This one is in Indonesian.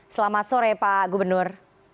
selamat sore pak gubernur